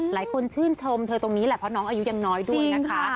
หลายคนชื่นชมเธอตรงนี้แหละเพราะน้องอายุยังน้อยด้วยนะคะ